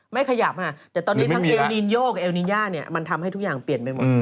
ขยับค่ะแต่ตอนนี้ทั้งเอลมีนโยกกับเอลนินย่าเนี่ยมันทำให้ทุกอย่างเปลี่ยนไปหมด